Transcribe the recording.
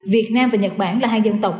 việt nam và nhật bản là hai dân tộc